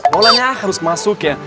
bolanya harus masuk ya